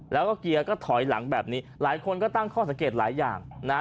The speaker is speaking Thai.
แล้วก็เกียร์ก็ถอยหลังแบบนี้หลายคนก็ตั้งข้อสังเกตหลายอย่างนะฮะ